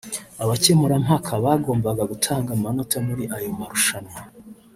Abakemurampaka bagombaga gutanga amanota muri ayo marushanwa